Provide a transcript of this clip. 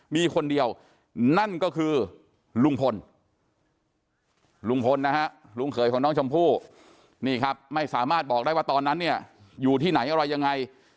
มีคนเดียวนั่นก็คือลุงพลลุงพลนะฮะลุงเขยของน้องชมพู่นี่ครับไม่สามารถบอกได้ว่าตอนนั้นเนี่ยอยู่ที่ไหนอะไรยังไง